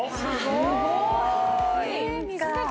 すごい。